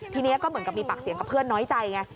ทีนี้ก็เหมือนกับมีปากเสียงกับเพื่อนน้อยใจไง